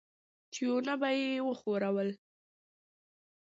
تيونه به يې وښورول.